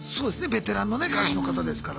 ベテランのね歌手の方ですからね。